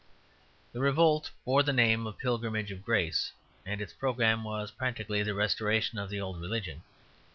The revolt bore the name of the Pilgrimage of Grace, and its programme was practically the restoration of the old religion.